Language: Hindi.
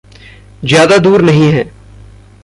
ज़्यादा दूर नहीं है।